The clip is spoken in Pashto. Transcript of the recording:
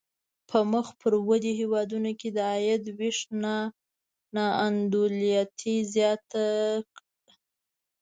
په مخ پر ودې هېوادونو کې د عاید وېش نا انډولتیا زیاته ده.